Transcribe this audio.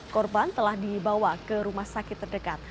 korban telah dibawa ke rumah sakit terdekat